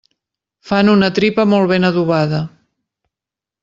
Fan una tripa molt ben adobada.